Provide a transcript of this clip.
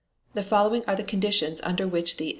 The following are the conditions under which the S.